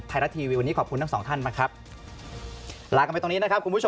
โปรดติดตามต่อไป